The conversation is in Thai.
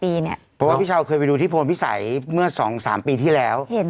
เพราะว่าพี่เช้าเคยไปดูที่โพนพิสัยเมื่อสองสามปีที่แล้วเห็น